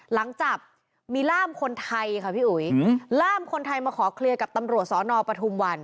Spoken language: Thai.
หลังจากมีล่ามคนไทยค่ะพี่อุ๋ยล่ามคนไทยมาขอเคลียร์กับตำรวจสอนอปทุมวัน